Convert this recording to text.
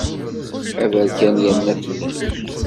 Aberkan yerna fell-ak.